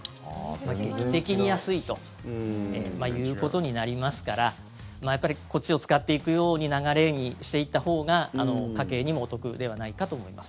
劇的に安いということになりますからやっぱりこっちを使っていくような流れにしていったほうが家計にもお得ではないかと思います。